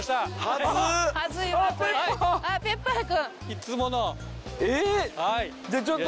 いつもの。えっ。